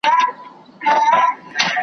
سمدستي یې کړه ور پرې غاړه په توره .